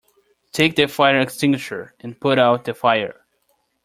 Take that fire extinguisher and put out the fire!